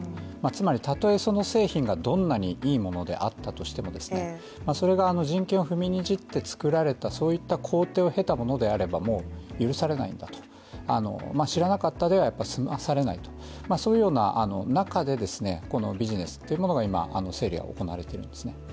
つまりたとえその製品がどんなにいいものであったとしてもそれが人権を踏みにじって作られたそういう工程を経て作られたものだったらもう許されないんだと、知らなかったでは済まされない、そういうような中で、このビジネスの整理が今、行われているんですね。